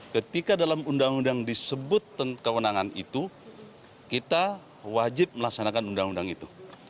ketika dalam undang undang disebut kewenangan itu kita wajib melaksanakan undang undang itu